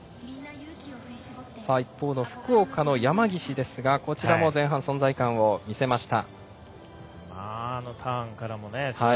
一方の福岡の山岸ですがこちらも前半存在感を見せました